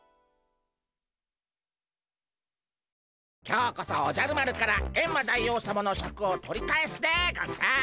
今日こそおじゃる丸からエンマ大王さまのシャクを取り返すでゴンス！